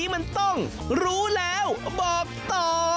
พูดแล้วบอกต่อ